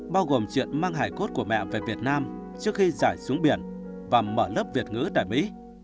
bao gồm chuyện mang hải cốt của mẹ về việt nam trước khi giải xuống biển và mở lớp việt ngữ tại mỹ